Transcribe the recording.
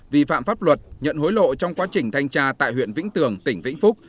vi phạm pháp luật nhận hối lộ trong quá trình thanh tra tại huyện vĩnh tường tỉnh vĩnh phúc